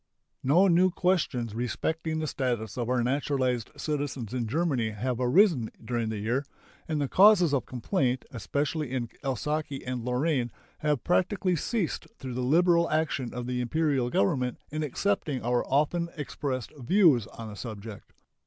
No new questions respecting the status of our naturalized citizens in Germany have arisen during the year, and the causes of complaint, especially in Alsace and Lorraine, have practically ceased through the liberal action of the Imperial Government in accepting our often expressed views on the subject.